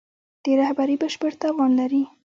د رهبري بشپړ توان لري.